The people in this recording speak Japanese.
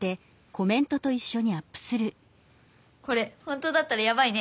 これ本当だったらヤバいね。